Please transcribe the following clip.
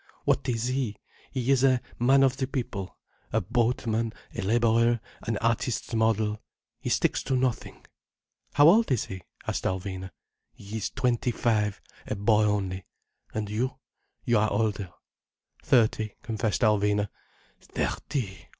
What is he? He is a man of the people, a boatman, a labourer, an artist's model. He sticks to nothing—" "How old is he?" asked Alvina. "He is twenty five—a boy only. And you? You are older." "Thirty," confessed Alvina. "Thirty!